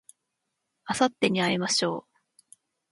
あさってに会いましょう